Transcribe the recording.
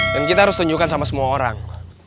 dan kita harus tunjukkan sama semua orang